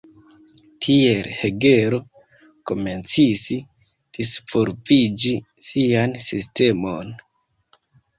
Tiel Hegelo komencis disvolviĝi sian sistemon.